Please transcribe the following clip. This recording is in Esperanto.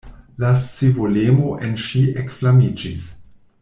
La scivolemo en ŝi ekflamiĝis!